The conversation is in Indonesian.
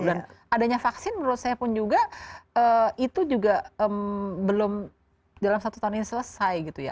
dan adanya vaksin menurut saya pun juga itu juga belum dalam satu tahun ini selesai gitu ya